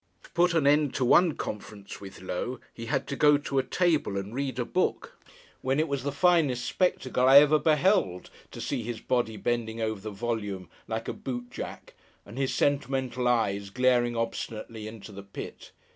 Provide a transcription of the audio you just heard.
To put an end to one conference with Low, he had to go to a table, and read a book: when it was the finest spectacle I ever beheld, to see his body bending over the volume, like a boot jack, and his sentimental eyes glaring obstinately into the pit.